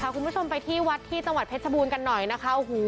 คุณผู้ชมไปที่วัดที่จังหวัดเพชรบูรณ์กันหน่อยนะคะโอ้โห